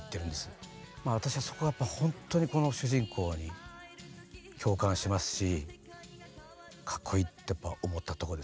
まあ私はそこがやっぱほんとにこの主人公に共感しますしかっこいいってやっぱ思ったとこですね